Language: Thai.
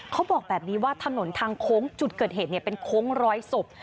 เขาบอกแบบนี้ว่าถนนทางโค้งจุดเกิดเหตุเป็นโค้งร้อยศพ